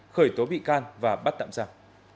khởi tố bị can và bắt tạm giảm